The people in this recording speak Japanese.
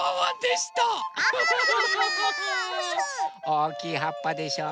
おおきいはっぱでしょ。